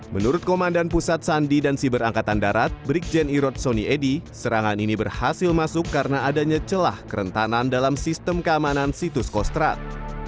menurut komandan pusat sandi dan siber angkatan darat brigjen irot soni edi serangan ini berhasil masuk karena adanya celah kerentanan dalam sistem keamanan situs kostrat